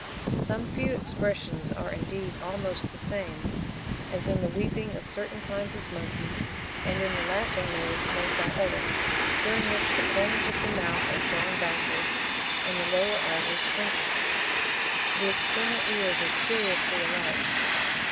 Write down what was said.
Some few expressions are, indeed, almost the same, as in the weeping of certain kinds of monkeys and in the laughing noise made by others, during which the corners of the mouth are drawn backwards, and the lower eyelids wrinkled. The external ears are curiously alike.